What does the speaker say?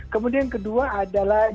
kemudian kedua adalah